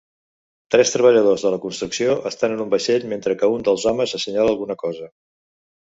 Tres treballadors de la construcció estan en un vaixell mentre que un dels homes assenyala alguna cosa.